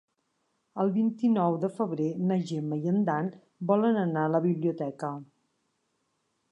El vint-i-nou de febrer na Gemma i en Dan volen anar a la biblioteca.